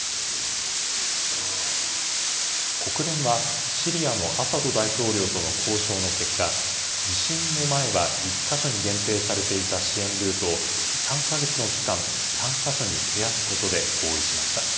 国連はシリアのアサド大統領との交渉の結果、地震の前は１か所に限定されていた支援ルートを３か月の期間、３か所に増やすことで合意しました。